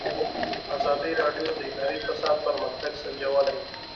ازادي راډیو د اداري فساد پرمختګ سنجولی.